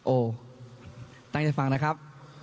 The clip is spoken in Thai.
โอ้ตั้งใจฟังนะครับ